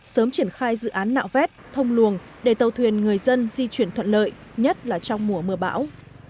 sớm triển khai dự án nạo vét thông luồng để tàu thuyền người dân di chuyển thuận lợi nhất là trong mùa mưa bão